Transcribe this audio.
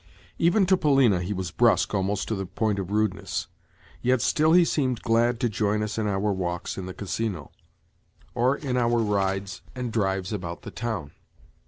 Even to Polina he was brusque almost to the point of rudeness. Yet still he seemed glad to join us in our walks in the Casino, or in our rides and drives about the town.